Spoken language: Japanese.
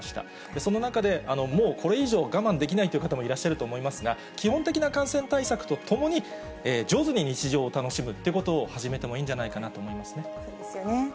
その中で、もうこれ以上、我慢できないという方もいらっしゃると思いますが、基本的な感染対策とともに、上手に日常を楽しむってことを始めてもいいんじゃないかと思いまそうですよね。